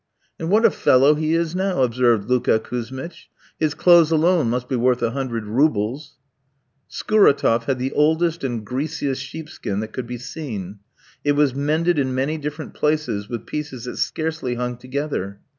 "And what a fellow he is now!" observed Luka Kouzmitch. "His clothes alone must be worth a hundred roubles." Scuratoff had the oldest and greasiest sheepskin that could be seen. It was mended in many different places with pieces that scarcely hung together.